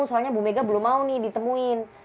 soalnya bu mega belum mau nih ditemuin